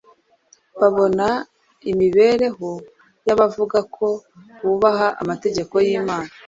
babona imibereho y’abavuga ko bubaha amategeko y’Imana.